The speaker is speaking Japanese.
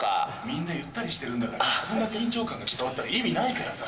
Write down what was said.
みんなゆったりしてるんだからそんな緊張感が伝わったら意味ないからさ。